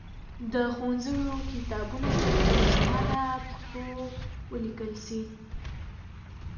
د ښوونځیو کتابونه دي په روانه پښتو ولیکل سي.